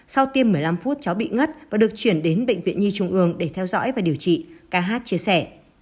sau tiêm một mươi năm phút cháu bị ngất và được chuyển đến bệnh viện nhi trung ương để theo dõi và điều trị ca hát chia sẻ